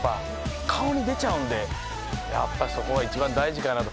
顔に出ちゃうんでやっぱそこが一番大事かなと。